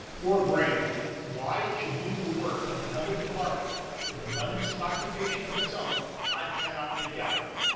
Poor brain! why it should do the work of another department, with abundance of occupation of its own, I cannot make out.